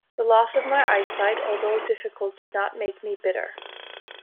The loss of my eyesight, although difficult, did not make me bitter.